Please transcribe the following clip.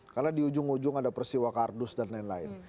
karena di ujung ujung ada persiwa kardus dan lain lain